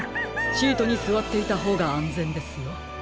シートにすわっていたほうがあんぜんですよ。